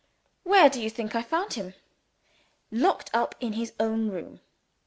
Where do you think I found him? Locked up in his own room!